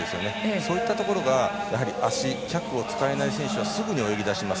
そういったところが脚を使えない選手はすぐに泳ぎだします。